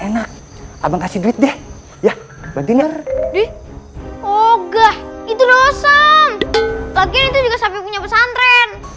lagian itu juga sapi punya pesantren